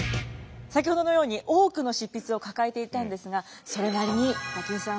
先ほどのように多くの執筆を抱えていたんですがそれなりに馬琴さん